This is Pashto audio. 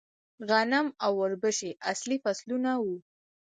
غنم او وربشې اصلي فصلونه وو